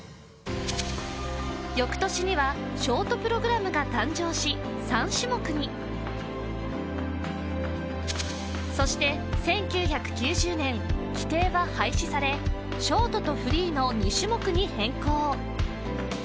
翌年にはショートプログラムが誕生し３種目にそして１９９０年規定は廃止されショートとフリーの２種目に変更